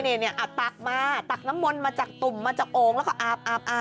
เอาตักมาตักน้ำมนต์มาจากตุ่มมาจากโอ่งแล้วก็อาบ